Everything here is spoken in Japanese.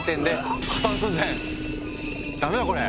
ダメだこれ！